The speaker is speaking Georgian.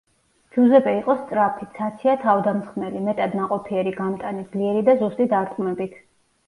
ჯუზეპე იყო სწრაფი, ცაცია თავდამსხმელი, მეტად ნაყოფიერი გამტანი ძლიერი და ზუსტი დარტყმებით.